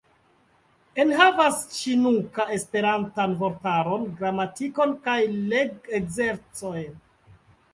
Enhavas ĉinuka-esperantan vortaron, gramatikon kaj leg-ekzercojn.